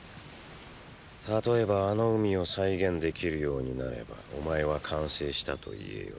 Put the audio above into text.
たとえばあの海を再現できるようになればお前は完成したと言えよう。